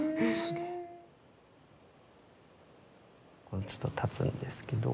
これちょっと立つんですけど。